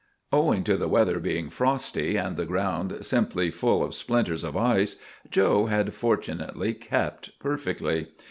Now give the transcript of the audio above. _" Owing to the weather being frosty, and the ground simply full of splinters of ice, 'Joe' had fortunately kept perfectly.